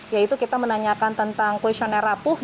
yaitu kita menanyakan tentang questionnaire apuhnya